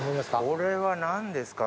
これは何ですか？